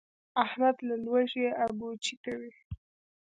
احمد له لوږې اګوچې کوي.